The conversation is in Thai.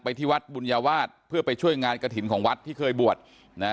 ที่วัดบุญญาวาสเพื่อไปช่วยงานกระถิ่นของวัดที่เคยบวชนะฮะ